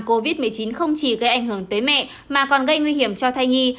covid một mươi chín không chỉ gây ảnh hưởng tới mẹ mà còn gây nguy hiểm cho thai nhi